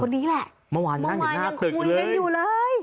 เมื่อวานยังคุยกันอยู่เลย